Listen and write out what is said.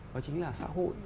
đó chính là xã hội